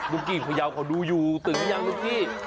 นุ๊กกี้พะยาวเขาดูอยู่ตื่นไหมยังนุ๊กกี้